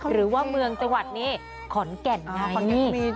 หรือว่าเมืองจังหวัดนี้ขอนแก่นนะคนนี้